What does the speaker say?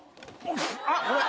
あっごめん。